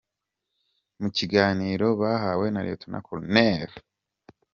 Mu kiganiro bahawe na Lt Col.